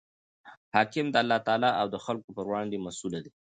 حاکم د الله تعالی او د خلکو پر وړاندي مسئوله دئ.